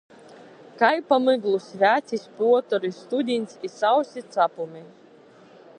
Kai pa myglu svecis, puotori, studiņs i sausi capumi.